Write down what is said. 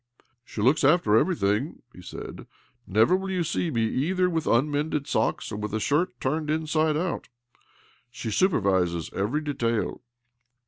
" She laoks after everything," he said. " Never will you see me either with un mended socks or with a shirt turned inside out. She supervises every detail."